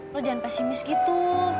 lo jangan pesimis gitu